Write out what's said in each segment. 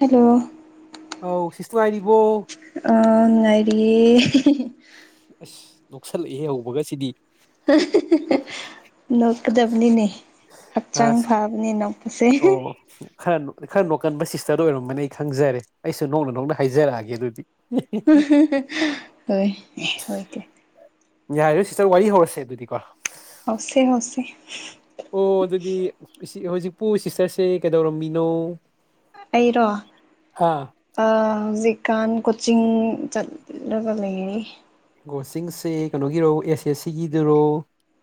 hello ꯑꯧ ꯁꯤꯁ ꯅꯨꯡꯉꯥꯏꯔꯤꯕꯣ ꯑ ꯅꯨꯡꯉꯥꯏꯔꯤꯑꯦ ꯑꯁ ꯅꯣꯛꯁꯜꯂꯛꯏꯍꯦ ꯍꯧꯕꯒ ꯁꯤꯗꯤ [unintelligible] ꯅꯣꯛꯀꯗꯕꯅꯤꯅꯦ ꯍꯛꯆꯥꯡ ꯑꯁ ꯐꯕ ꯅꯤ ꯅꯣꯛꯄꯁꯦ ꯑꯣ ꯈꯔ ꯈꯔ ꯅꯣꯛꯀꯟꯕ ꯁꯤꯁꯇꯔꯗ ꯑꯣꯏꯔꯝꯝꯕꯅꯤ ꯑꯩ ꯈꯪꯖꯔꯦ ꯑꯩꯁꯨ ꯅꯣꯛꯅ ꯅꯣꯛꯅ ꯍꯥꯏꯖꯔꯛꯑꯒꯦ ꯑꯗꯨꯗꯤ [unintelligible] ꯍꯣꯏ ꯍꯣꯏꯗꯦ ꯌꯥꯏꯔꯦ ꯁꯤꯇꯔ ꯋꯥꯔꯤ ꯍꯧꯔꯁꯦ ꯑꯗꯨꯗꯤꯀꯣ ꯍꯧꯁꯦ ꯍꯧꯁꯦ ꯑꯣ ꯑꯗꯨꯗꯤ ꯍꯧꯖꯤꯛꯄꯨ ꯁꯤꯁꯇꯔꯁꯦ ꯀꯩꯗꯧꯔꯝꯃꯤꯅꯣ ꯑꯩꯔꯣ ꯍꯥ ꯑ ꯍꯧꯖꯤꯛꯀꯥꯟ ꯀꯣꯆꯤꯡ ꯆꯠꯂꯒ ꯂꯩꯔꯤ ꯀꯣꯆꯤꯡꯁꯦ ꯀꯩꯅꯣꯒꯤꯔꯣ ꯑꯦꯁ ꯑꯦꯁ ꯁꯤꯒꯤꯗꯨꯔꯣ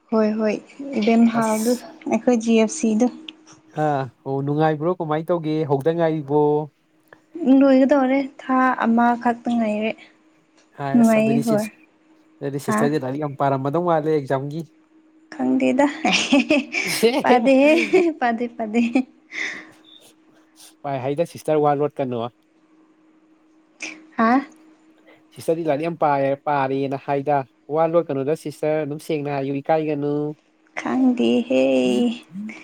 ꯍꯣꯏ ꯍꯣꯏ ꯏꯕꯦꯝꯍꯥꯜꯗꯨ ꯑꯁ ꯑꯩꯈꯣꯏ ꯖꯤ ꯑꯦꯐ ꯁꯤꯗꯣ ꯑ ꯑꯣ ꯅꯨꯡꯉꯥꯏꯕ꯭ꯔꯣ ꯀꯃꯥꯏꯅ ꯇꯧꯒꯦ ꯍꯧꯗ ꯉꯥꯏꯔꯤꯕꯣ ꯂꯣꯏꯒꯗꯧꯔꯦ ꯊꯥ ꯑꯃꯈꯛꯇ ꯉꯥꯏꯔꯦ ꯑ ꯑꯁ ꯅꯨꯡꯉꯥꯏꯌꯦ ꯑꯗꯨꯗꯤ ꯏꯆꯦ ꯍꯣꯏ ꯍꯥ ꯁꯤꯁꯇꯔꯁꯦ ꯂꯥꯏꯔꯤꯛ ꯌꯥꯝ ꯄꯥꯔꯝꯃꯗꯧ ꯃꯥꯜꯂꯦ ꯑꯦꯛꯖꯥꯝꯒꯤ ꯈꯪꯗꯦꯗ ꯄꯥꯗꯦꯍꯦ ꯄꯥꯗꯦ ꯄꯥꯗꯦ ꯥꯄꯥꯏ ꯍꯥꯏꯗ ꯁꯤꯁꯇꯔ ꯋꯥ ꯂꯣꯠꯀꯅꯣ ꯍꯥ ꯁꯤꯁꯇꯔꯗꯤ ꯂꯥꯏꯔꯤꯛ ꯌꯥꯝ ꯄꯥꯏ ꯄꯥꯔꯤꯅ ꯍꯥꯏꯗ ꯋꯥ ꯂꯣꯠ ꯀꯅꯨꯗ ꯁꯤꯁꯇꯔ ꯑꯗꯨꯝ ꯁꯦꯡꯅ ꯍꯥꯏꯌꯨ ꯏꯀꯥꯏꯒꯅꯨ ꯈꯪꯗꯦ ꯍꯦ [unintelligible]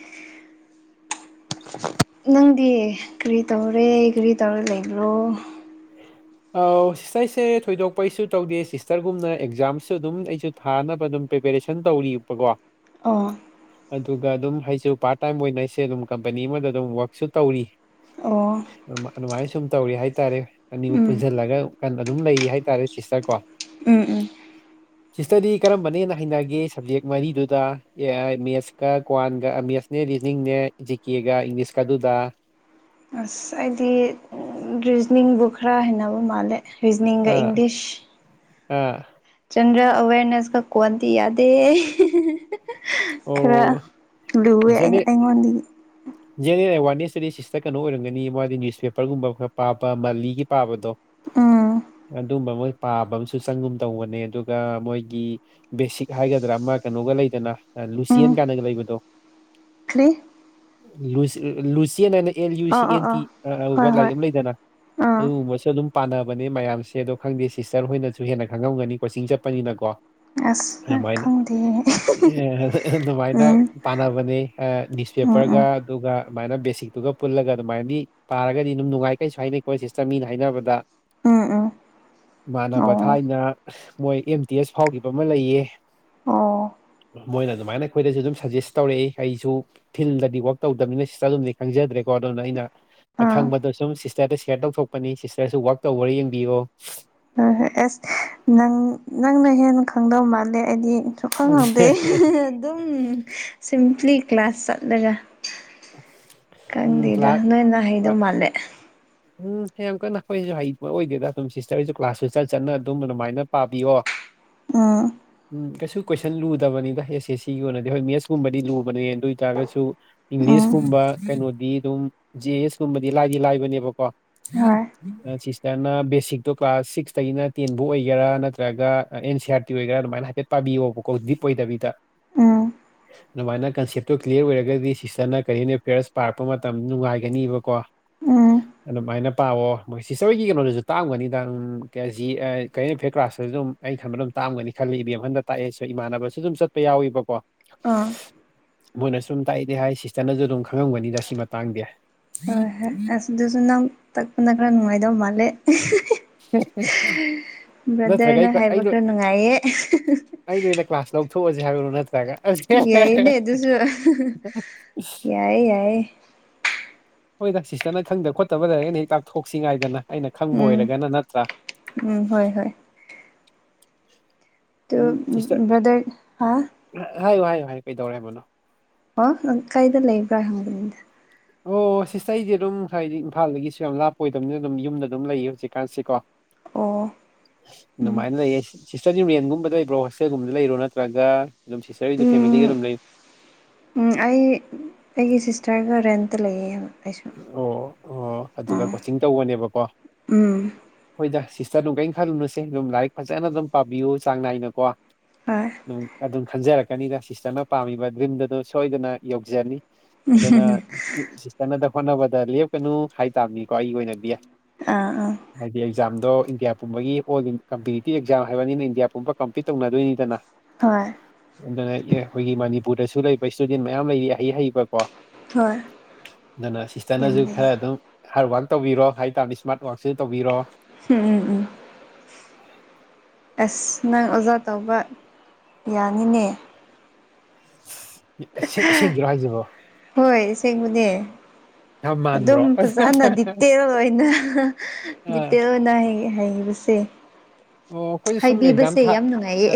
ꯅꯪꯗꯤ ꯀꯔꯤ ꯇꯧꯔꯦ ꯀꯔꯤ ꯇꯧꯔ ꯂꯩꯕ꯭ꯔꯣ ꯑ ꯁꯤꯁꯇꯔ ꯑꯩꯁꯦ ꯊꯣꯏꯗꯣꯛꯄ ꯑꯩꯁꯨ ꯇꯧꯗꯦ ꯁꯤꯁꯇꯔꯒꯨꯝꯅ ꯑꯦꯛꯖꯥꯝꯁꯨ ꯑꯗꯨꯝ ꯑꯩꯁꯨ ꯊꯥꯅꯕ ꯑꯗꯨꯝ ꯄ꯭ꯔꯤꯄꯦꯔꯦꯁꯟ ꯇꯧꯔꯤꯕꯀꯣ ꯑꯣ ꯑꯗꯨꯒ ꯑꯗꯨꯝ ꯑꯩꯁꯨ ꯄꯥꯔꯠ ꯇꯥꯏꯝ ꯑꯣꯏꯅ ꯑꯩꯁꯦ ꯑꯗꯨꯝ ꯀꯝꯄꯅꯤ ꯑꯃꯗ ꯑꯗꯨꯝ ꯋꯥꯔꯛꯁꯨ ꯇꯧꯔꯤ ꯑꯣ ꯑꯗꯨꯃꯥꯏꯅ ꯁꯨꯝ ꯇꯧꯔꯤ ꯍꯥꯏꯇꯥꯔꯦ ꯑꯅꯤꯕꯨ ꯎꯝ ꯄꯨꯟꯁꯤꯜꯂꯒ ꯑꯗꯨꯝ ꯂꯩꯔꯤ ꯍꯥꯏꯇꯥꯔꯦ ꯁꯤꯁꯇꯔ ꯀꯣ ꯎꯝ ꯎꯝ ꯁꯤꯁꯇꯗꯤ ꯀꯔꯝꯕꯅꯦꯅ ꯍꯩꯅꯒꯦ ꯁꯞꯖꯦꯛ ꯃꯔꯤꯗꯨꯗ ꯃꯦꯠꯁꯀ ꯀ꯭ꯋꯥꯟꯒ ꯃꯦꯠꯁ ꯅꯦ ꯔꯤꯗꯤꯡꯅꯦ ꯖꯤꯀꯦꯒ ꯏꯪꯂꯤꯁꯀ ꯑꯗꯨꯗ ꯑꯁ ꯑꯩꯗꯤ ꯔꯤꯖꯅꯤꯡꯕꯨ ꯈꯔ ꯍꯩꯅꯕ ꯃꯥꯜꯂꯦ ꯔꯤꯖꯅꯤꯡꯒ ꯑꯥ ꯏꯪꯂꯤꯁ ꯑꯥ ꯆꯟꯗꯔꯦꯜ ꯑꯋꯦꯔꯅꯦꯁꯒ ꯀꯣꯟꯗꯤ ꯌꯥꯗꯦ ꯈꯔ ꯑꯣ ꯂꯨꯋꯦ ꯑꯩ ꯑꯩꯉꯣꯟꯗꯒꯤ [inaudible] ꯖꯦꯅꯔꯦꯜ ꯑꯦꯋꯥꯔꯅꯦꯁ ꯁꯤꯁꯇꯔ ꯀꯩꯅꯣ ꯑꯣꯏꯔꯝꯒꯅꯤ ꯃꯥꯗꯤ ꯅ꯭ꯌꯨꯁꯄꯦꯄꯔꯒꯨꯝꯕ ꯈꯔ ꯄꯥꯕ ꯃꯟꯂꯤꯒꯤ ꯄꯥꯕꯗꯣ ꯎꯝ ꯑꯗꯨꯝꯕ ꯃꯣꯏ ꯄꯥꯕ ꯑꯃꯁꯨ ꯆꯪꯒꯨꯝ ꯇꯧꯕꯅꯦ ꯑꯗꯨꯒ ꯃꯣꯏꯒꯤ ꯕꯦꯁꯤꯛ ꯍꯥꯏꯒꯗ꯭ꯔꯥ ꯑꯃ ꯀꯩꯅꯣꯒ ꯂꯩꯗꯅ ꯂꯨꯆꯦꯟ ꯎꯝ ꯀꯥꯟꯅꯒ ꯂꯩꯕꯗꯣ ꯀꯔꯤ ꯂꯨꯁ ꯂꯨꯆꯦꯟꯑꯅ ꯑꯦꯜ ꯌꯨ ꯁꯤ ꯑꯥ ꯑꯥ ꯑꯦꯟ ꯇꯤ ꯑꯥ ꯍꯣꯏ [unintelligible] ꯂꯥꯏꯔꯤꯛ ꯍꯣꯏ ꯑꯃ ꯂꯩꯗꯅ ꯑꯥ ꯑꯗꯨꯒꯨꯝꯕꯁꯨ ꯑꯗꯨꯝ ꯄꯥꯟꯅꯕꯅꯦ ꯃꯌꯥꯝꯁꯦ ꯑꯗꯣ ꯈꯪꯗꯦ ꯁꯤꯁꯇꯔ ꯍꯣꯏꯅꯁꯨ ꯍꯦꯟꯅ ꯈꯪꯉꯝꯒꯅꯤ ꯀꯣꯆꯤꯡ ꯆꯠꯄꯅꯤꯅꯀꯣ ꯑꯁ ꯑꯔꯃꯥꯏꯅ ꯈꯪꯗꯦ ꯑꯗꯨꯃꯥꯏꯅ ꯎꯝ ꯄꯥꯟꯅꯕꯅꯦ ꯑ ꯎꯝ ꯅꯤꯁꯄꯦꯄꯔꯒ ꯎꯝ ꯑꯗꯨꯒ ꯑꯗꯨꯃꯥꯏꯅ ꯕꯦꯁꯤꯛꯇꯨꯒ ꯄꯨꯜꯂꯒ ꯑꯗꯨꯃꯥꯏꯗꯤ ꯄꯥꯔꯒꯗꯤ ꯑꯗꯨꯝ ꯅꯨꯡꯉꯥꯏ ꯀꯩꯁꯨ ꯍꯥꯏꯅꯩꯀꯣ ꯁꯤꯁꯇꯔ ꯃꯤꯅ ꯍꯥꯏꯅꯕꯗ ꯎꯝ ꯎꯝ ꯏꯃꯥꯟꯅꯕ ꯑꯣ ꯊꯥꯏꯅ ꯃꯣꯏ ꯑꯦꯝ ꯇꯤ ꯑꯦꯁ ꯐꯥꯎꯈꯤꯕ ꯑꯃ ꯂꯩꯌꯦ ꯑꯣ ꯃꯣꯏꯅ ꯑꯗꯨꯃꯥꯏꯅ ꯑꯩꯈꯣꯏꯗꯁꯨ ꯑꯗꯨꯝ ꯁꯖꯦꯁ ꯇꯧꯔꯛꯏ ꯑꯩꯁꯨ ꯐꯤꯜꯗꯗꯤ ꯋꯥꯛ ꯇꯧꯗꯕꯅꯤꯅ ꯁꯤꯁꯇꯔ ꯑꯗꯨꯝ ꯃꯗꯤ ꯈꯪꯖꯗ꯭ꯔꯦꯀꯣ ꯑꯗꯨꯅ ꯑꯩꯅ ꯑꯥ ꯑꯈꯪꯕꯗꯣ ꯁꯨꯝ ꯁꯤꯁꯇꯔꯗ ꯁꯤꯌꯔ ꯇꯧꯊꯣꯛꯄꯅꯤ ꯁꯤꯁꯇꯔꯁꯨ ꯋꯔꯥꯛ ꯇꯧꯕꯔ ꯌꯦꯡꯕꯤꯌꯣ ꯍꯣꯏ ꯍꯣꯏ ꯑꯁ ꯅꯪ ꯅꯪꯅ ꯍꯦꯟꯅ ꯈꯪꯗꯧ ꯃꯥꯜꯂꯦ ꯑꯩꯗꯤ ꯁꯨꯈꯪ ꯈꯪꯗꯦ ꯑꯗꯨꯝ ꯁꯤꯝꯄ꯭ꯂꯤ ꯀ꯭ꯂꯥꯁ ꯆꯠꯂꯒ ꯎꯝ ꯈꯪꯗꯦꯗ ꯀ꯭ꯂꯥꯁ ꯅꯣꯏꯅ ꯍꯩꯗꯧ ꯃꯥꯜꯂꯦ ꯎꯝ ꯌꯥꯝ ꯀꯟꯅ ꯑꯩꯈꯣꯏꯁꯨ ꯍꯩꯕ ꯑꯣꯏꯗꯦꯗ ꯑꯗꯨꯝ ꯁꯤꯁꯇꯔꯁꯨ ꯀ꯭ꯂꯥꯁꯁꯨ ꯆꯠ ꯆꯠꯅ ꯑꯗꯨꯝ ꯑꯗꯨꯃꯥꯏꯅ ꯄꯥꯕꯤꯌꯣ [inaudible] ꯑꯥ ꯎꯝ ꯀꯩꯁꯨ ꯀꯣꯏꯁꯟ ꯂꯨꯗꯕꯅꯤꯗ ꯑꯦꯁ ꯑꯦꯁ ꯁꯤꯒꯤ ꯑꯣꯏꯅꯗꯤ ꯍꯣꯏ ꯃꯦꯠꯁꯀꯨꯝꯕꯗꯤ ꯂꯨꯕꯅꯦ ꯑꯗꯨꯏꯔꯒꯁꯨ ꯎꯝ ꯏꯪꯂꯤꯁꯀꯨꯝꯕ ꯀꯩꯅꯣꯗꯤ ꯑꯗꯨꯝ ꯖꯦ ꯑꯦꯁ ꯀꯨꯝꯕꯗꯤ ꯂꯥꯏꯗꯤ ꯂꯥꯏꯕꯅꯦꯕꯀꯣ ꯍꯣꯏ ꯑ ꯁꯤꯁꯇꯔꯅ ꯕꯦꯁꯤꯛꯇꯣ ꯀ꯭ꯂꯥꯁ ꯁꯤꯛꯁꯇꯒꯤꯅ ꯇꯦꯟꯕꯨ ꯑꯣꯏꯒꯦꯔꯥ ꯅꯠꯇ꯭ꯔꯒ ꯑꯦꯟ ꯁꯤ ꯑꯥꯔ ꯇꯤ ꯑꯣꯏꯒꯦꯔꯥ ꯑꯗꯨꯃꯥꯏꯅ ꯍꯥꯏꯐꯦꯠ ꯄꯥꯕꯤꯌꯣꯕꯀꯣ ꯗꯤꯞ ꯑꯣꯏꯗꯕꯤꯗ ꯎꯝ ꯑꯗꯨꯃꯥꯏꯅ ꯀꯟꯁꯦꯞꯇꯣ ꯀ꯭ꯂꯤꯌꯔ ꯑꯣꯏꯔꯒꯗꯤ ꯁꯤꯁꯇꯔꯅ ꯀꯔꯤ ꯍꯥꯏꯅꯤ [unintelligible] ꯄꯥꯔꯛꯄ ꯃꯇꯝ ꯅꯨꯡꯉꯥꯏꯒꯅꯤꯕꯀꯣ ꯎꯝ ꯑꯗꯨꯃꯥꯏꯅ ꯄꯥꯋꯣ ꯃꯣꯏ ꯁꯤꯁꯇꯔ ꯍꯣꯢꯒꯤ ꯀꯩꯅꯣꯗꯨꯁꯨ ꯇꯥꯛ ꯑꯝꯒꯅꯤꯗ ꯎꯝ ꯀ ꯖꯤ ꯑ ꯀꯔꯤ ꯍꯥꯢꯅꯤ ꯐꯦꯠ ꯀ꯭ꯂꯥꯁꯇꯁꯨ ꯑꯗꯨꯝ ꯑꯩ ꯈꯟꯕ ꯑꯗꯨꯝ ꯇꯥꯛꯑꯝꯒꯅꯤ ꯈꯜꯂꯤ ꯏꯕꯦꯝꯍꯟꯗ ꯇꯥꯛꯑꯦꯁꯨ ꯏꯃꯥꯟꯅꯕꯁꯨ ꯑꯗꯨꯝ ꯆꯠꯄ ꯌꯥꯎꯋꯤꯕꯀꯣ ꯑꯥ ꯃꯣꯏꯅ ꯁꯨꯝ ꯇꯥꯛꯏꯗꯤ ꯍꯥꯏ ꯁꯤꯁꯇꯔꯅꯁꯨ ꯑꯗꯨꯝ ꯈꯪꯉꯝꯒꯅꯤꯗ ꯁꯤ ꯃꯇꯥꯡꯗꯤ ꯍꯣꯏ ꯍꯣꯏ ꯑꯗꯨꯁꯨ ꯅꯪ ꯇꯛꯄꯅ ꯈꯔ ꯅꯨꯡꯉꯥꯏꯗꯧ ꯃꯥꯜꯂꯦ ꯅꯠꯇ꯭ꯔꯒ ꯕ꯭ꯔꯗꯔꯅ ꯑꯩ ꯀ꯭ꯂ- ꯑꯩ ꯍꯥꯏꯕ ꯅꯣꯏ ꯈꯔ ꯅꯨꯡꯉꯥꯏꯌꯦ ꯑꯩ ꯅꯣꯏꯅ ꯀ꯭ꯂꯥꯁ ꯂꯧꯊꯣꯛꯑꯁꯦ ꯍꯥꯏꯕꯔꯣ ꯅꯠꯇ꯭ꯔꯒ ꯌꯥꯏꯅꯦ ꯑꯗꯨꯁꯨ ꯌꯥꯏ ꯌꯥꯏ ꯍꯣꯏꯗ ꯁꯤꯁꯇꯔꯅ ꯈꯪꯗ ꯈꯣꯠꯇꯕ ꯂꯩꯔꯒꯅ ꯍꯦꯛ ꯇꯥꯛꯊꯣꯛꯁꯤ ꯉꯥꯏꯗꯅ ꯑꯩꯅ ꯈꯪꯕ ꯎꯝ ꯑꯣꯏꯔꯒꯅ ꯅꯠꯇ꯭ꯔꯥ ꯎꯝ ꯍꯣꯏ ꯍꯣꯏ ꯇꯨ ꯎꯝ ꯁꯤꯁꯇꯔ ꯕ꯭ꯔꯗꯔ ꯍꯥꯥ ꯍꯥꯏꯌꯨ ꯍꯥꯏꯌꯨ ꯍꯥꯏꯌꯨ ꯀꯩꯗꯧꯔꯦ ꯍꯥꯏꯕꯅꯣ ꯍꯥ ꯅꯪ ꯀꯥꯏꯗ ꯂꯩꯕ꯭ꯔꯥ ꯍꯪꯕꯅꯤꯗ ꯑꯣ ꯁꯤꯁꯇꯔ ꯑꯩꯖꯤ ꯑꯗꯨꯝ ꯉꯁꯥꯏꯗꯤ ꯏꯝꯐꯥꯜꯗꯒꯤꯁꯨ ꯌꯥꯝ ꯂꯥꯞꯄ ꯑꯣꯏꯗꯕꯅꯤꯅ ꯑꯗꯨꯝ ꯌꯨꯝꯗ ꯑꯗꯨꯝ ꯂꯩꯌꯦ ꯍꯧꯖꯤꯛꯀꯥꯟꯁꯤꯀꯣ ꯑꯣ ꯎꯝ ꯑꯗꯨꯃꯥꯏꯟ ꯂꯩꯌꯦ ꯁꯤ ꯁꯤꯁꯇꯔꯁꯦ ꯔꯦꯟꯒꯨꯝꯕ ꯂꯩꯕ꯭ꯔꯣ ꯍꯣꯁꯇꯦꯜꯒꯨꯝꯕꯗ ꯂꯩꯔꯣ ꯅꯠꯇ꯭ꯔꯒ ꯑꯗꯨꯝ ꯁꯤꯁꯇꯔ ꯒꯤꯗꯤ ꯐꯦꯃꯤꯂꯤꯒ ꯎꯝ ꯑꯗꯨꯝ ꯂꯩ ꯎꯝ ꯑꯩ ꯑꯩꯒꯤ ꯁꯤꯁꯇꯔꯒ ꯔꯦꯟꯇ ꯂꯩꯌꯦ ꯑꯩꯁꯨ ꯑꯣ ꯑꯣ ꯑꯗꯨꯒ ꯑꯥ ꯀꯣꯆꯤꯡ ꯇꯧꯕꯅꯦꯕꯀꯣ ꯎꯝ ꯍꯣꯏꯗ ꯁꯤꯁꯇꯔ ꯅꯨꯡ ꯀꯩꯅ ꯈꯜꯂꯨꯅꯨꯁꯦ ꯑꯗꯨꯝ ꯂꯥꯏꯔꯤꯛ ꯐꯖꯅ ꯑꯗꯨꯝ ꯄꯥꯕꯤꯌꯨ ꯆꯥꯡ ꯅꯥꯏꯅ ꯀꯣ ꯍꯣꯏ ꯎꯝ ꯑꯗꯨꯝ ꯈꯟꯖꯔꯛꯀꯅꯤꯗ ꯁꯤꯁꯇꯔꯅ ꯄꯥꯝꯃꯤꯕ ꯗ꯭ꯔꯤꯝꯗꯗꯨ ꯁꯣꯏꯗꯅ ꯌꯧꯖꯅꯤ ꯎꯝ ꯍꯨꯝꯍꯨꯝ ꯇꯅꯗ ꯍꯣꯠꯅꯕꯗ ꯂꯦꯞꯀꯅꯨ ꯍꯥꯏꯇꯥꯥꯕꯅꯤꯀꯣ ꯑꯩꯒꯤ ꯑꯣꯏꯅꯗꯤ ꯑꯥ ꯑꯥ ꯍꯥꯏꯗꯤ ꯑꯦꯛꯖꯥꯝꯗꯣ ꯏꯟꯗꯤꯌꯥ ꯄꯨꯝꯕꯒꯤ ꯑꯣꯜ ꯏꯟ ꯀꯝꯄꯤꯇꯤꯇꯤꯚ ꯑꯦꯛꯖꯥꯝ ꯍꯥꯏꯕꯅꯤꯅ ꯏꯟꯗꯤꯌꯥ ꯄꯨꯝꯕ ꯀꯝꯄꯤꯠ ꯇꯧꯅꯗꯣꯏꯅꯤꯗꯅ ꯍꯣꯏ ꯑꯗꯨꯅ ꯑꯦ ꯑꯩꯈꯣꯏꯒꯤ ꯃꯅꯤꯄꯨꯔꯗꯁꯨ ꯂꯩꯕ ꯏꯁꯇꯨꯗꯦꯟ ꯃꯌꯥꯝ ꯂꯩꯔꯤ ꯍꯩ ꯍꯩꯕꯀꯣ ꯍꯣꯏ ꯑꯗꯨꯅ ꯌꯥꯝ ꯁꯤꯁꯇꯔꯅꯁꯨ ꯂꯩꯌꯦ ꯈꯔ ꯑꯗꯨꯝ ꯍꯥꯔꯠ ꯋꯥꯔꯛ ꯇꯧꯕꯤꯔꯣ ꯍꯥꯏꯇꯥꯥꯝꯅꯤ ꯏꯁꯃꯥꯔꯠ ꯋꯥꯔꯛꯁꯨ ꯇꯧꯕꯤꯔꯣ ꯎꯝ ꯎꯝ ꯎꯝ ꯑꯁ ꯅꯪ ꯑꯣꯖꯥ ꯇꯧꯕ ꯌꯥꯅꯤꯅꯦ ꯑꯁꯦ ꯑꯁꯦꯡꯒꯤꯔꯣ ꯍꯥꯏꯁꯤꯕꯣ ꯍꯣꯏ ꯑꯁꯦꯡꯕꯅꯦ ꯌꯝꯃ ꯑꯗꯨꯝ ꯐꯖꯅ ꯗꯤꯇꯦꯜ ꯑꯣꯏꯅ ꯑꯥ ꯗꯤꯇꯦꯜ ꯑꯣꯏꯅ ꯍꯩ ꯍꯩꯕꯁꯦ ꯑꯣ ꯑꯩꯈꯣꯏꯁꯨ ꯁꯨꯝ ꯑꯦꯛꯖꯥꯝ ꯍꯥꯏꯕꯤꯕꯁꯦ ꯊ ꯌꯥꯝ ꯑ ꯅꯨꯡꯉꯥꯏꯌꯦ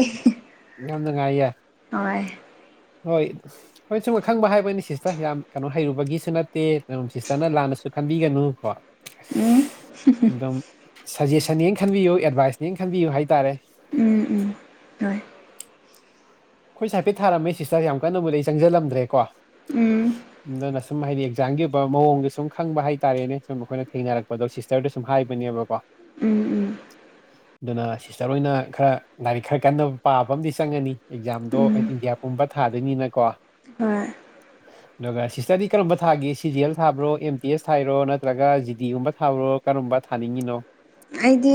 ꯌꯥꯝ ꯅꯨꯡꯉꯥꯏꯌꯦ ꯍꯣꯏ ꯍꯣꯏ ꯍꯣꯏ ꯁꯨꯝ ꯑꯈꯪꯕ ꯍꯥꯏꯕꯅꯤ ꯁꯤꯁꯇꯔ ꯌꯥꯝ ꯀꯩꯅꯣ ꯍꯩꯔꯨꯕꯒꯤꯁꯨ ꯅꯠꯇꯦ ꯁꯤꯁꯇꯔꯅ ꯂꯥꯟꯅꯁꯨ ꯈꯟꯕꯤꯒꯅꯨ ꯀꯣ ꯎꯝ ꯑꯗꯨꯝ ꯁꯖꯦꯁꯟꯅꯦ ꯈꯟꯕꯤꯌꯨ ꯑꯦꯗꯚꯥꯏꯁꯅꯦꯅ ꯈꯟꯕꯤꯌꯨ ꯍꯥꯏꯇꯥꯔꯦ ꯎꯝ ꯎꯝ ꯍꯣꯏ ꯑꯩꯈꯣꯏ ꯍꯥꯏꯐꯠꯊꯥꯔꯝꯃꯦ ꯁꯤꯁꯇꯔ ꯌꯥꯝ ꯀꯟꯅ ꯕꯨꯗꯤ ꯆꯪꯖꯜꯂꯝꯗ꯭ꯔꯦ ꯀꯣ ꯎꯝ ꯑꯗꯨꯅ ꯁꯨꯝ ꯍꯥꯏꯗꯤ ꯑꯦꯛꯖꯥꯝꯒꯤ ꯑꯣꯏꯕ ꯃꯑꯣꯡꯗꯣ ꯁꯨꯝ ꯈꯪꯕ ꯍꯥꯏꯇꯥꯔꯦꯅꯦ ꯁꯨꯝ ꯑꯩꯈꯣꯏꯅ ꯊꯦꯡꯅꯔꯛꯄꯗꯣ ꯁꯤꯁ ꯇꯔꯗ ꯁꯨꯝ ꯍꯥꯏꯕꯅꯦꯕꯀꯣ ꯎꯝ ꯎꯝ ꯑꯗꯨꯅ ꯁꯤꯁꯇꯔ ꯑꯣꯏꯅ ꯈꯔ ꯂꯥꯏꯔꯤꯛ ꯈꯔ ꯀꯟꯕ ꯄꯥꯕ ꯑꯃꯗꯤ ꯆꯪꯉꯅꯤ ꯑꯦꯛꯖꯥꯝꯗꯣ ꯎꯝ ꯏꯟꯗꯤꯌꯥ ꯄꯨꯝꯕ ꯊꯥꯗꯣꯏꯅꯤꯅꯀꯣ ꯍꯣꯏ ꯑꯗꯨꯒ ꯁꯤꯁꯇꯔꯗꯤ ꯀꯔꯝꯕ ꯊꯥꯒꯦ ꯁꯤ ꯖꯤ ꯑꯦꯜ ꯊꯥꯕ꯭ꯔꯣ ꯑꯦꯝ ꯇꯤ ꯑꯦꯁ ꯊꯥꯏꯔꯣ ꯅꯠꯇ꯭ꯔꯒ ꯖꯤ ꯗꯤꯒꯨꯝꯕ ꯊꯥꯕ꯭ꯔꯣ ꯀꯔꯝꯕ ꯊꯥꯅꯤꯡꯉꯤꯅꯣ ꯑꯩꯗꯤ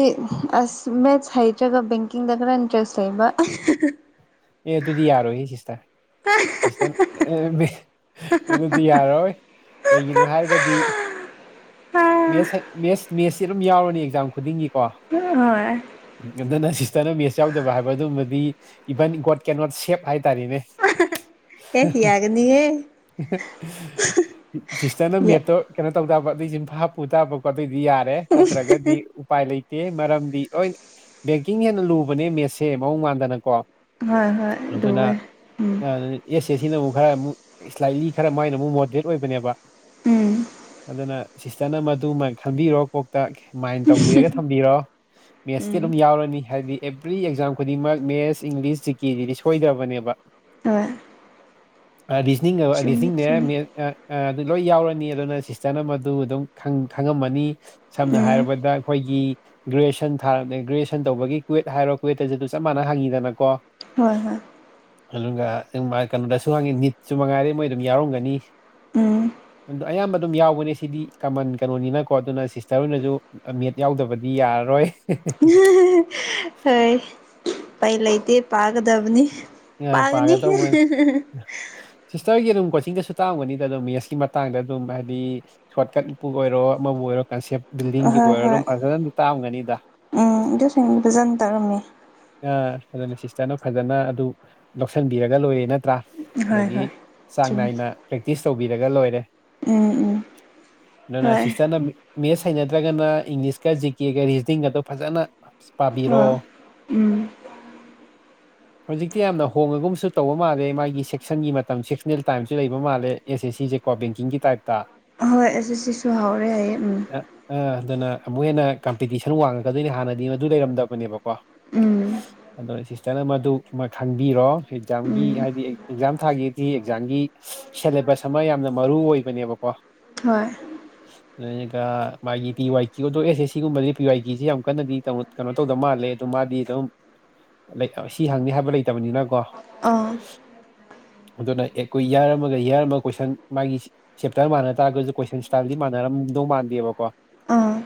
ꯑꯁ ꯃꯦꯠꯁ ꯍꯩꯇ꯭ꯔꯒ ꯕꯦꯡꯀꯤꯡꯗ ꯈꯔ ꯏꯟꯇꯔꯦꯁ ꯂꯩꯕ ꯑꯦ ꯑꯗꯨꯗꯤ ꯌꯥꯔꯣꯏꯌꯦ ꯁꯤꯁꯇꯔ ꯁꯤꯁꯇꯔ ꯑꯦ ꯑꯗꯤ ꯑꯗꯨꯗꯤ ꯌꯥꯔꯣꯏ ꯀꯩꯒꯤꯅꯣ ꯍꯥꯏꯔꯒꯗꯤ ꯃꯦꯠꯁꯦꯠ ꯃꯦꯠꯁꯁꯤ ꯑꯗꯨꯝ ꯌꯥꯎꯔꯅꯤ ꯑꯦꯛꯖꯥꯝ ꯈꯨꯗꯤꯡꯒꯤꯀꯣ ꯅꯥ ꯍꯣꯢ ꯑꯗꯨꯅ ꯁꯤꯁꯇꯔꯅ ꯃꯦꯠꯁ ꯌꯥꯎꯗꯕ ꯍꯥꯏꯕ ꯑꯗꯨꯝꯕꯗꯤ ꯏꯚꯟ ꯒꯣꯠ ꯀꯦꯟ ꯅꯣꯠ ꯁꯦꯞ ꯍꯥꯏ ꯇꯥꯔꯦꯅꯦ [inaudible] ꯍꯦ ꯌꯥꯒꯅꯤꯌꯦ [unintelligible] ꯁꯤꯁꯇꯔꯅ ꯌꯥ ꯃꯦꯠꯇꯣ ꯀꯩꯅꯣ ꯇꯧꯗꯕ [unintelligible] ꯍꯥꯞꯄꯨ ꯇꯥꯕ ꯀꯣ ꯑꯗꯨꯢꯗꯤ ꯌꯥꯔꯦꯢ ꯅꯠꯇ꯭ꯔꯒꯗꯤ ꯎꯄꯥꯏ ꯂꯩꯇꯦ ꯃꯔꯝꯗꯤ ꯍꯣꯏ ꯕꯦꯡꯀꯤꯡ ꯍꯦꯟꯅ ꯂꯨꯕꯅꯦ ꯃꯦꯠꯁꯦ ꯃꯑꯣꯡ ꯃꯥꯟꯗꯅꯀꯣ ꯍꯣꯏ ꯍꯣꯏ ꯑꯗꯨꯅ ꯂꯨꯋꯦ ꯎꯝ ꯑꯦꯁ ꯑꯦ ꯁꯤꯅ ꯑꯃꯨꯛ ꯈꯔ ꯑꯃꯨꯛ ꯏꯁꯂꯥꯏꯠꯂꯤ ꯈꯔ ꯃꯣꯢꯅ ꯑꯃꯨꯛ ꯃꯣꯗꯔꯦꯠ ꯑꯣꯏꯕꯅꯦꯕ ꯎꯝ ꯑꯗꯨꯅ ꯁꯤꯁꯇꯔꯅ ꯃꯗꯨ ꯈꯟꯕꯤꯔꯣ ꯀꯣꯛꯇ ꯃꯥꯏꯟ ꯇꯧꯕꯤꯔꯒ ꯊꯝꯕꯤꯔꯣ ꯃꯦꯠꯁꯇꯤ ꯎꯝ ꯑꯗꯨꯝ ꯌꯥꯎꯔꯅꯤ ꯍꯥꯏꯕꯗꯤ ꯑꯦꯕ꯭ꯔꯤ ꯑꯦꯛꯖꯥꯝ ꯈꯨꯗꯤꯡꯃꯛ ꯃꯦꯠꯁ ꯏꯪꯂꯤꯁ ꯖꯤ ꯀꯦ ꯗꯤ ꯁꯣꯏꯗꯕꯅꯦꯕ ꯍꯣꯢ ꯔꯤꯖꯅꯤꯡ ꯔꯤꯖꯅꯤꯡꯅꯦ ꯆꯨꯝꯃꯦ ꯑꯥ ꯂꯣꯏ ꯌꯥꯎꯔꯅꯤ ꯑꯗꯨꯅ ꯁꯤꯁꯇꯔꯅ ꯑꯗꯨ ꯑꯗꯨꯝ ꯈꯪꯉꯝꯃꯅꯤ ꯁꯝꯅ ꯎꯝ ꯍꯥꯏꯔꯕꯗ ꯑꯩꯈꯣꯏꯒꯤ ꯒ꯭ꯔꯦꯖꯨꯑꯦꯁꯟ ꯊꯥꯔꯝꯗꯥꯢ ꯒ꯭ꯔꯦꯋꯌꯦꯁꯟ ꯇꯧꯕꯒꯤ ꯀꯨꯋꯦꯠ ꯍꯥꯏꯔꯣ ꯀꯨꯋꯦꯠꯇ ꯑꯗꯨ ꯆꯞ ꯃꯥꯟꯅ ꯍꯪꯉꯤꯗꯅꯀꯣ ꯍꯣꯏ ꯍꯣꯏ ꯑꯗꯨꯒ ꯃꯥ ꯀꯩꯅꯣꯗꯁꯨ ꯍꯪꯉꯤ ꯅꯤꯠꯁꯨ ꯃꯉꯥꯏꯔꯦ ꯃꯣꯏ ꯑꯗꯨꯝ ꯌꯥꯎꯔꯝꯒꯅꯤ ꯎꯝ ꯑꯗꯨ ꯑꯌꯥꯝꯕ ꯑꯗꯨꯝ ꯌꯥꯎꯕꯅꯦ ꯁꯤꯗꯤ ꯀꯃꯟ ꯀꯩꯅꯣꯅꯤꯅꯀꯣ ꯑꯗꯨꯅ ꯁꯤꯁꯇꯔ ꯍꯣꯏꯅꯁꯨ ꯃꯦꯠ ꯌꯥꯎꯗꯕꯗꯤ ꯌꯥꯔꯔꯣꯏ ꯍꯣꯏ ꯎꯄꯥꯢ ꯂꯩꯇꯦ ꯄꯥꯒꯗꯕꯅꯤ ꯑ, ꯄꯒꯅꯤ ꯄꯥꯒꯗꯧꯕꯅꯤ [unintelligible] ꯁꯤꯁꯇꯔꯒꯤ ꯑꯗꯨꯝ ꯀꯣꯆꯤꯡꯗꯁꯨ ꯇꯥꯛ ꯑꯝꯒꯅꯤꯗ ꯑꯗꯨꯝ ꯃꯦꯠꯁꯀꯤ ꯃꯇꯥꯡꯗ ꯑꯗꯨꯝ ꯍꯥꯏꯗꯤ ꯁꯣꯠꯀꯠꯄꯨꯕ ꯑꯣꯏꯔꯣ ꯑꯃꯕꯨ ꯑꯣꯏꯔꯣ ꯀꯟꯁꯦꯞ ꯕꯤꯜꯗꯤꯡꯒꯤꯕꯨ ꯑꯍꯣꯏ ꯑꯣꯏꯔꯣ ꯑꯗꯨꯝ ꯍꯣꯏ ꯐꯖꯅꯗꯤ ꯇꯥꯛꯑꯝꯒꯅꯤꯗ ꯎꯝ ꯑꯗꯨꯁꯤꯡꯗꯨ ꯐꯖꯅ ꯇꯧꯔꯝꯃꯦ ꯑꯥ ꯑꯗꯨꯅ ꯁꯤꯁꯇꯔꯅ ꯐꯖꯅ ꯑꯗꯨ ꯂꯧꯁꯟꯕꯤꯔꯒ ꯂꯣꯏꯔꯦ ꯅꯠꯇ꯭ꯔꯥ ꯍꯣꯏ ꯑꯗꯒꯤ ꯍꯣꯏ ꯆꯥꯡ ꯆꯨꯝꯃꯤ ꯅꯥꯏꯅ ꯄ꯭ꯔꯦꯛꯇꯤꯁ ꯇꯧꯕꯤꯔꯒ ꯂꯣꯏꯔꯦ ꯎꯝ ꯎꯝ ꯑꯗꯨꯅ ꯍꯣꯏ ꯁꯤꯁꯇꯔꯅ ꯃꯦꯠꯁ ꯍꯩ ꯅꯗꯔꯒꯅ ꯏꯪꯂꯤꯁꯀ ꯖꯤ ꯀꯦꯒ ꯔꯤꯖꯅꯤꯡꯒꯗꯣ ꯐꯖꯅ ꯄꯥꯕꯤꯔꯣ ꯍꯣꯢ ꯎꯝ ꯍꯧꯖꯤꯛꯇꯤ ꯌꯥꯝꯅ ꯍꯣꯡꯉꯒꯨꯝꯁꯨ ꯇꯧꯕ ꯃꯥꯜꯂꯦ ꯃꯥꯒꯤ ꯁꯦꯛꯁꯟꯒꯤ ꯃꯇꯝ ꯁꯦꯛꯁꯅꯦꯜ ꯇꯥꯏꯝꯁꯨ ꯂꯩꯕ ꯃꯥꯜꯂꯦ ꯑꯦꯁ ꯑꯦꯁ ꯁꯤꯁꯦꯀꯣ ꯕꯦꯡꯀꯤꯡꯒꯤ ꯇꯥꯏꯞꯇ ꯍꯣꯏ ꯑꯁꯤ ꯁꯤꯁꯨ ꯍꯥꯎꯔꯦ ꯍꯥꯢꯌꯦ ꯎꯝ ꯑꯥ ꯑꯗꯨꯅ ꯑꯃꯨꯛ ꯍꯦꯟꯅ ꯀꯝꯄꯤꯇꯤꯁꯟ ꯋꯥꯡꯉꯛꯀꯗꯣꯏꯅꯦ ꯍꯥꯟꯅꯗꯤ ꯃꯗꯨ ꯂꯩꯔꯝꯗ ꯕꯅꯦꯕꯀꯣ [unintelligible] ꯎꯝ ꯑꯗꯣ ꯁꯤꯁꯇꯔꯅ ꯃꯗꯨ ꯑꯃ ꯈꯪꯕꯤꯔꯣ ꯑꯦꯛꯖꯥꯝꯒꯤ ꯎꯝ ꯍꯥꯏꯗꯤ ꯑꯦꯛꯖꯥꯝ ꯊꯥꯒꯦꯗꯤ ꯑꯦꯛꯖꯥꯝꯒꯤ ꯁꯦꯂꯦꯕꯁ ꯑꯃ ꯌꯥꯝꯅ ꯃꯔꯨ ꯑꯣꯏꯕꯅꯦꯕꯀꯣ ꯍꯣꯏ [inaudible] ꯑꯗꯨꯒ ꯃꯥꯒꯤ ꯄꯤ ꯋꯥꯏ ꯀꯌꯨ ꯗꯣ ꯑꯦꯁ ꯑꯦꯁ ꯁꯤꯒꯨꯝꯕꯗꯤ ꯄꯤ ꯋꯥꯏ ꯀꯌꯨ ꯌꯥꯝ ꯀꯟꯅꯗꯤ ꯀꯩꯅꯣ ꯇꯧꯗ ꯃꯥꯜꯂꯦ ꯑꯗꯨ ꯃꯥꯗꯤ ꯑꯗꯨꯝ ꯁꯤ ꯍꯪꯅꯤ ꯍꯥꯏꯕ ꯂꯩꯇꯕꯅꯤꯅꯀꯣ ꯑꯥ ꯑꯗꯨꯅ ꯑꯦꯀꯨ ꯌꯥꯔ ꯃꯒ ꯌꯥꯔ ꯃꯒ ꯀꯣꯏꯁꯟ ꯃꯥꯒꯤ ꯆꯦꯞꯇꯔ ꯃꯥꯟꯅ ꯇꯥꯔꯒꯁꯨ ꯀꯣꯏꯁꯟ ꯏꯁꯇꯥꯏꯜꯗꯤ ꯃꯥꯟꯅꯔꯝꯗꯧ ꯃꯥꯟꯗꯦꯕꯀꯣ ꯑꯥ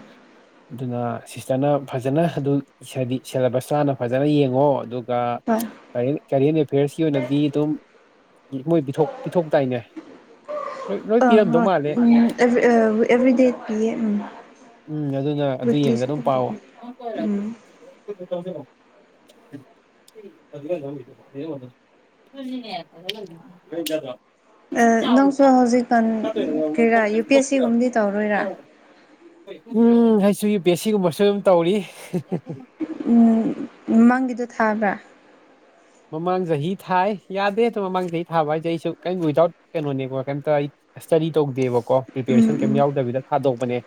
ꯑꯗꯨꯅ ꯁꯤꯁꯇꯔꯅ ꯐꯖꯅ ꯑꯗꯨ ꯍꯥꯢꯗꯤ ꯁꯦꯂꯦꯕꯁ ꯇꯣ ꯍꯥꯟꯅ ꯐꯖꯅ ꯌꯦꯡꯉꯣ ꯑꯗꯨꯒ ꯍꯣꯏ ꯀꯔꯦꯟ ꯑꯦꯐꯤꯌꯔꯁꯀꯤ ꯑꯣꯏꯅꯗꯤ ꯑꯗꯨꯝ ꯃꯣꯏ ꯄꯤꯊꯣꯛ ꯄꯤꯊꯣꯛꯇꯥꯏꯅꯦ ꯂꯣꯏ ꯂꯣꯏ ꯑꯥ ꯄꯤꯔꯝꯗꯧ ꯃꯥꯜꯂꯦ ꯍꯣꯢ ꯑꯦꯕꯔꯤꯗꯥ ꯄꯤꯌꯦ ꯎꯝ ꯑꯗꯨꯅ ꯑꯗꯨ ꯌꯦꯡꯉꯒ ꯋꯤꯛꯂꯤꯁꯨ ꯑꯗꯨꯝ ꯄꯥꯋꯣ ꯄꯤꯌꯦ ꯎꯝ [unintelligible] [unintelligible] ꯅꯪꯁꯨ ꯍꯧꯖꯤꯛꯀꯥꯟ ꯀꯥꯔꯤꯔꯥ ꯌꯨ ꯄꯤ ꯑꯦꯁ ꯁꯤ ꯒꯨꯝꯕꯗꯤ ꯇꯧꯔꯣꯏꯔꯥ ꯎꯝ ꯍꯁꯨ ꯄꯤ ꯑꯦ ꯁꯤ ꯒꯨꯝꯕꯁꯨ ꯑꯗꯨꯝ ꯇꯧꯔꯤ [unintelligible] ꯎꯝ ꯃꯃꯥꯡꯒꯤꯗꯣ ꯊꯥꯕ꯭ꯔꯥ ꯃꯃꯥꯡ ꯆꯍꯤ ꯊꯥꯏ ꯌꯥꯗꯦ ꯑꯗꯣ ꯃꯃꯥꯡ ꯆꯍꯤ ꯊꯥꯕ ꯍꯥꯏꯁꯦ ꯑꯩꯁꯨ ꯀꯩꯝ ꯋꯤꯗꯥꯎꯠ ꯀꯩꯅꯣꯅꯦꯀꯣ ꯀꯩꯝꯇ ꯑꯩ ꯏꯁꯇꯗꯤ ꯇꯧꯗꯦꯕꯀꯣ ꯎꯝ ꯄ꯭ꯔꯤꯄꯦꯔꯦꯁꯟ ꯀꯩꯝ ꯎꯝ ꯌꯥꯎꯗꯕꯤꯗ ꯊꯥꯗꯣꯛꯄꯅꯦ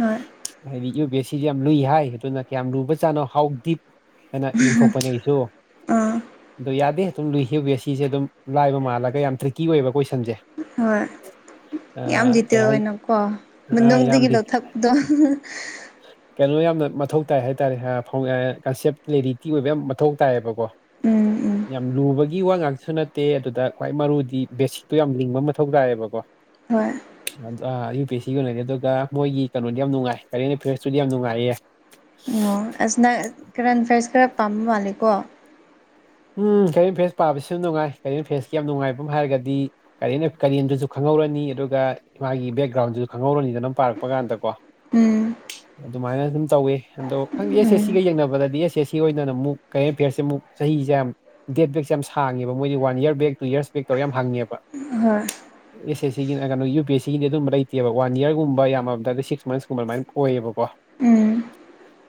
ꯍꯣꯏ ꯍꯥꯏꯗꯤ ꯌꯨ ꯄꯤ ꯑꯦꯁ ꯁꯤꯁꯦ ꯌꯥꯝ ꯂꯨꯏ ꯍꯥꯏ ꯑꯗꯨꯅ ꯀꯌꯥꯝ ꯂꯨꯕꯖꯥꯠꯅꯣ ꯍꯧ ꯗꯤꯞ ꯑꯅ ꯌꯦꯟꯊꯣꯛꯄꯅꯦ ꯑꯩꯁꯨ ꯑꯥ ꯑꯗꯨ ꯌꯥꯗꯦ ꯑꯗꯨꯝ ꯂꯨꯏ ꯌꯨ ꯄꯤ ꯑꯦ ꯁꯤ ꯁꯦ ꯑꯗꯨꯝ ꯂꯥꯏꯕ ꯃꯥꯜꯂꯒ ꯌꯥꯝ ꯇ꯭ꯔꯤꯛꯀꯤ ꯑꯣꯏꯌꯦꯕ ꯀꯣꯏꯁꯟꯁꯦ ꯍꯣꯏ ꯌꯥꯝ ꯑ, ꯀꯩ ꯗꯤꯇꯦꯜ ꯍꯥꯏꯅꯤ ꯑꯣꯏꯅꯀꯣ ꯑ, ꯃꯅꯨꯡꯗꯒꯤ ꯌꯥꯝꯗꯤ ꯂꯧꯊꯛ ꯗꯣ [unintelligible] ꯀꯩꯅꯣ ꯌꯥꯝꯅ ꯃꯊꯧ ꯇꯥꯏ ꯍꯥꯏꯇꯥꯔꯦ ꯍꯥ ꯐꯥꯎ ꯑꯑ ꯀꯟꯁꯦꯞ ꯀ꯭ꯂꯦꯔꯤꯇꯤ ꯑꯣꯏꯕ ꯌꯥꯝ ꯃꯊꯧ ꯇꯥꯏꯌꯦꯕꯀꯣ ꯎꯝ ꯎꯝ ꯌꯥꯝ ꯂꯨꯕꯒꯤ ꯒꯤ ꯋꯥ ꯉꯥꯛꯁꯨ ꯅꯠꯇꯦ ꯑꯗꯨꯗ ꯈ꯭ꯋꯥꯏ ꯃꯔꯨꯗꯤ ꯕꯦꯁꯤꯛꯇꯣ ꯌꯥꯝ ꯂꯤꯡꯕ ꯑꯝ ꯃꯊꯧ ꯇꯥꯏꯌꯦꯕꯀꯣ ꯍꯣꯏ ꯑꯥ ꯌꯨ ꯄꯤ ꯑꯦꯁ ꯁꯤꯒꯤ ꯑꯣꯏꯅꯗꯤ ꯑꯗꯨꯒ ꯃꯣꯏꯒꯤ ꯀꯩꯅꯣꯗꯤ ꯌꯥꯝ ꯅꯨꯡꯉꯥꯏ ꯀꯔꯦꯟ ꯔꯤꯐꯤꯌ꯭ꯔꯁꯇꯨꯗꯤ ꯌꯥꯝ ꯅꯨꯡꯉꯥꯏꯌꯦ ꯑꯣ ꯑꯁ ꯅ ꯀ꯭ꯔꯟ ꯐ꯭ꯔꯦꯁ ꯈꯔ ꯄꯥꯝꯕ ꯃꯥꯜꯂꯦꯀꯣ ꯎꯝ ꯀꯩꯔꯦꯟ ꯐ꯭ꯔꯦꯁ ꯄꯥꯕꯁꯨ ꯅꯨꯡꯉꯥꯏ ꯀꯩꯔꯦꯟ ꯐ꯭ꯔꯦꯁꯀꯤ ꯌꯥꯝ ꯅꯨꯡꯉꯥꯏꯕ ꯑꯝ ꯍꯥꯏꯔꯒꯗꯤ ꯀꯔꯦꯟ ꯀꯔꯦꯟꯗꯨꯁꯨ ꯈꯪꯍꯧꯔꯅꯤ ꯑꯗꯨꯒ ꯃꯥꯒꯤ ꯕꯦꯛꯒ꯭ꯔꯥꯎꯟꯗꯨꯖꯨ ꯈꯪꯍꯧꯔꯅꯤꯗꯅꯥ ꯄꯥꯔꯛꯄ ꯀꯥꯟꯗꯀꯣ ꯎꯝ ꯑꯗꯨꯃꯥꯏꯅ ꯑꯗꯨꯝ ꯇꯧꯋꯤ ꯑꯗꯣ ꯈꯪꯗꯦ ꯑꯦꯁ ꯑꯦꯁ ꯎꯝ ꯁꯤꯒ ꯌꯦꯡꯅꯕꯗꯗꯤ ꯑꯦꯁ ꯑꯦꯁ ꯁꯤ ꯑꯣꯏꯅ ꯑꯃꯨꯛ ꯀꯔꯦꯟ ꯑꯦꯐꯤꯌꯔꯁꯦ ꯑꯃꯨꯛ ꯆꯍꯤ ꯌꯥꯝ ꯗꯦꯠ ꯕꯦꯛꯁꯦ ꯌꯥꯝ ꯁꯥꯡꯉꯦꯕ ꯃꯣꯏꯗꯤ one year back two years back ꯇꯧꯔ ꯌꯥꯝ ꯍꯪꯉꯦꯕ [unintelligible] ꯑꯦꯁ ꯑꯦꯁ ꯁꯤꯒꯤꯅ ꯑ ꯀꯩꯅꯣ ꯌꯨ ꯄꯤ ꯑꯦꯁ ꯁꯤꯒꯤꯗꯤ ꯑꯗꯨꯝꯕ ꯂꯩꯇꯦꯕ ꯋꯥꯟ ꯢꯌꯥꯔꯒꯨꯝꯕ ꯌꯥꯝꯃꯕꯗꯗꯤ ꯁꯤꯛꯁ ꯃꯟꯁ ꯒꯨꯝꯕ ꯑꯗꯨꯃꯥꯏꯅ ꯑꯣꯏꯌꯦꯕꯀꯣ ꯎꯝ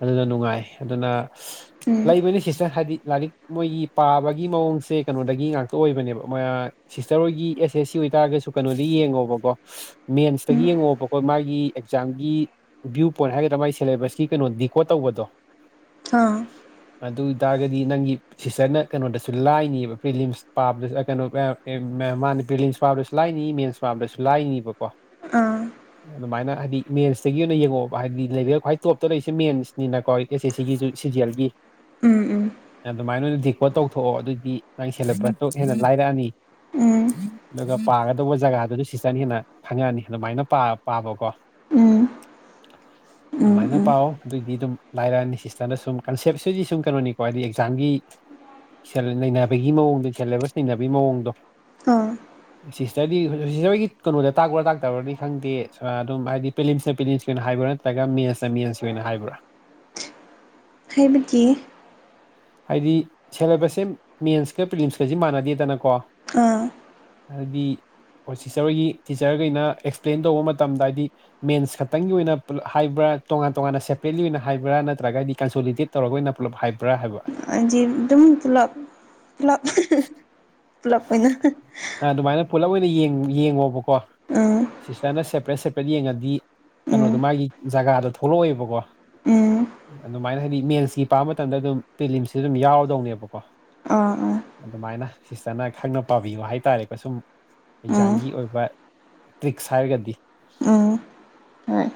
ꯑꯗꯨꯅ ꯅꯨꯡꯉꯥꯏ ꯑꯗꯨꯅ ꯎꯝ ꯂꯩꯕꯅꯤ ꯁꯤꯁꯇꯔ ꯍꯥꯏꯗꯤ ꯂꯥꯏꯔꯤꯛ ꯃꯣꯏꯒꯤ ꯄꯥꯕꯒꯤ ꯃꯑꯣꯡꯁꯦ ꯀꯩꯅꯣꯗꯒꯤ ꯉꯥꯛꯇ ꯑꯣꯏꯕꯅꯦꯕ ꯃꯣꯢ ꯑ ꯁꯤꯁꯇꯔ ꯍꯣꯏꯒꯤ ꯑꯦꯁ ꯑꯦꯁ ꯁꯤ ꯑꯣꯏꯇꯥꯔꯒꯁꯨ ꯀꯩꯅꯣꯗ ꯌꯦꯡꯉꯣꯕꯀꯣ ꯃꯦꯟꯁꯇꯒꯤ ꯌꯦꯡꯉꯣ ꯕꯀꯣ ꯃꯥꯒꯤ ꯑꯦꯛꯖꯥꯝꯒꯤ ꯚ꯭ꯌꯨ ꯄꯣꯏꯟ ꯍꯥꯏꯒꯗ꯭ꯔꯥ ꯃꯥꯒꯤ ꯁꯦꯂꯦꯕꯁꯀꯤ ꯀꯩꯅꯣ ꯗꯤꯀꯣꯠ ꯇꯧꯕꯗꯣ ꯍꯥ ꯑꯗꯨ ꯇꯥꯔꯒꯗꯤ ꯅꯪꯒꯤ ꯁꯤꯁꯇꯔꯅ ꯀꯩꯅꯣꯗꯁꯨ ꯂꯥꯏꯅꯤꯕ ꯄ꯭ꯔꯤꯂꯤꯝꯁ ꯄꯥꯕꯗꯁꯨ ꯑ ꯀꯩꯅꯣ ꯑ ꯑꯦ ꯃꯦ ꯃꯥꯅꯦ ꯄ꯭ꯔꯤꯂꯤꯝꯁ ꯄꯥꯕꯗꯁꯨ ꯂꯥꯏꯅꯤ ꯃꯤꯝꯁ ꯄꯥꯕꯗꯁꯨ ꯂꯥꯏꯅꯤꯕꯀꯣ ꯑꯥ ꯑ ꯗꯨꯃꯥꯏꯅ ꯍꯥꯏꯗꯤ ꯃꯦꯟꯁꯇꯒꯤ ꯑꯣꯏꯅ ꯌꯦꯡꯉꯛꯑꯣꯕ ꯍꯥꯏꯗꯤ ꯂꯦꯕꯦꯜ ꯈ꯭ꯋꯥꯏ ꯇꯣꯞꯇ ꯂꯩꯔꯤꯁꯦ ꯃꯦꯟꯁꯅꯤꯅꯀꯣ ꯑꯦꯁ ꯑꯦꯁ ꯁꯤꯒꯤꯁꯨ ꯁꯤꯖꯤꯌꯦꯜꯒꯤ ꯎꯝ ꯎꯝ ꯑꯗꯨꯃꯥꯏꯅ ꯑꯣꯏꯅ ꯗꯤꯀꯣꯠ ꯇꯧꯊꯣꯛꯑꯣ ꯑꯗꯨꯏꯗꯤ ꯅꯪꯒꯤ ꯁꯦꯂꯦꯕꯁꯇꯣ ꯍꯦꯟꯅ ꯂꯥꯏꯔꯛ ꯑꯅꯤ ꯎꯝ ꯑꯗꯨꯒ ꯄꯥꯒꯗꯧꯕ ꯖꯒꯥꯗꯨꯗꯤ ꯁꯤꯁꯇꯔꯅ ꯍꯦꯟꯅ ꯈꯪꯉꯛ ꯑꯅꯤ ꯑꯗꯨꯃꯥꯏꯅ ꯄꯥꯕ ꯄꯥꯕꯀꯣ ꯎꯝ ꯎꯝ ꯑꯗꯨꯃꯥꯏꯅ ꯎꯝ ꯄꯥꯎ ꯑꯗꯨꯑꯣꯏꯗꯤ ꯑꯗꯨꯝ ꯂꯥꯏꯔꯛꯑꯅꯤ ꯁꯤꯁꯇꯔꯅ ꯁꯨꯝ ꯀꯟꯁꯦꯞꯁꯤꯗꯤ ꯁꯨꯝ ꯀꯩꯅꯣꯅꯤꯀꯣ ꯍꯥꯏꯗꯤ ꯖꯥꯝꯒꯤ ꯁꯤꯜ ꯅꯩꯅꯕꯒꯤ ꯃꯑꯣꯡꯗꯣ ꯁꯦꯂꯦꯕꯁ ꯅꯩꯅꯕꯒꯤ ꯃꯑꯣꯡꯗꯣ [unintelligible] ꯁꯤꯁꯇꯔꯗꯤ ꯁꯤꯁꯇꯔꯒꯤ ꯀꯩꯅꯣꯗ ꯇꯥꯛꯄ꯭ꯔꯥ ꯇꯥꯛꯇꯕ꯭ꯔꯥꯗꯤ ꯈꯪꯗꯦ ꯑ ꯑꯗꯨꯝ ꯍꯥꯏꯗꯤ ꯄꯤꯂꯤꯟꯁꯅ ꯄꯤꯂꯦꯟꯁ ꯀꯤ ꯑꯣꯏꯅ ꯍꯥꯏꯕ꯭ꯔꯥ ꯅꯠ ꯇꯔꯒ ꯃꯦꯟꯁꯅ ꯃꯦꯟꯁꯒꯤ ꯑꯣꯏꯅ ꯍꯥꯏꯕ꯭ꯔꯥ ꯍꯥꯏꯕꯗꯤ ꯍꯥꯏꯗꯤ ꯁꯦꯂꯦꯕꯁꯁꯦ ꯃꯦꯟꯁꯀ ꯄ꯭ꯂꯤꯝꯁꯀꯁ ꯃꯥꯟꯅꯗꯦꯗꯅꯀꯣ ꯑꯥ ꯍꯥꯏꯗꯤ ꯑꯣ ꯁꯤꯁꯇꯔꯒꯤ ꯇꯤꯆꯔꯒꯩꯅ ꯑꯦꯛꯁꯄ꯭ꯂꯦꯟ ꯇꯧꯕ ꯃꯇꯝꯗ ꯍꯥꯏꯗꯤ ꯃꯦꯟꯁ ꯈꯛꯇꯪꯒꯤ ꯑꯣꯏꯅ [unintelligible] ꯍꯥꯏꯕ꯭ꯔ ꯇꯣꯉꯥꯟ ꯇꯣꯉꯥꯟꯅ ꯁꯦꯄꯔꯦꯠꯂꯤ ꯑꯣꯏꯅ ꯍꯥꯏꯕ꯭ꯔ ꯅꯠꯇ꯭ꯔꯒꯗꯤ ꯀꯟꯁꯣꯂꯤꯇꯦꯠ ꯇꯧꯔꯒ ꯑꯣꯏꯅ ꯄꯨꯂꯞ ꯍꯥꯏꯕ꯭ꯔ ꯍꯥꯏꯕ ꯑꯩꯗꯤ ꯑꯗꯨꯝ ꯄꯨꯂꯞ ꯄꯨꯂꯞ [unintelligible] ꯄꯨꯂꯞ ꯑꯣꯏꯅ ꯑꯗꯨꯃꯥꯏꯅ ꯄꯨꯂꯞ ꯑꯣꯏꯅ ꯌꯦꯡ ꯌꯦꯡꯉꯣꯕꯀꯣ ꯎꯝ ꯁꯤꯁꯇꯔꯅ ꯁꯦꯄꯔꯦꯠ ꯁꯦꯄꯔꯦꯠ ꯌꯦꯡꯉꯗꯤ ꯎꯝ ꯀꯩꯅꯣꯗꯣ ꯃꯥꯒꯤ ꯖꯒꯥꯗꯣ ꯊꯣꯛꯂꯛꯑꯣꯏꯕꯀꯣ ꯎꯝ ꯑꯗꯨꯝꯃꯥꯏꯅ ꯍꯥꯏꯗꯤ ꯃꯦꯟꯁꯀꯤ ꯄꯥ ꯃꯇꯝꯗ ꯑꯗꯨꯝ ꯄꯤꯂꯤꯝꯁꯤ ꯑꯗꯨꯝ ꯌꯥꯎꯔꯗꯧꯅꯦꯕꯀꯣ ꯑ ꯑ ꯑꯗꯨꯝꯃꯥꯏꯅ ꯁꯤꯁꯇꯔꯅ ꯈꯪꯅ ꯄꯥꯕꯤꯌꫭ ꯍꯥꯏꯇꯥꯔꯦꯀꯣ ꯁꯨꯝ ꯎꯝ ꯑꯦꯛꯖꯥꯝꯒꯤ ꯑꯣꯏꯕ ꯇ꯭ꯔꯤꯛꯁ ꯍꯥꯏꯔꯒꯗꯤ ꯎꯝ ꯍꯣꯏ